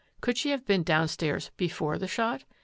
Could she have been downstairs before the shot?